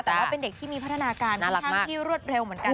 แต่ว่าเป็นเด็กที่มีพัฒนาการค่อนข้างที่รวดเร็วเหมือนกัน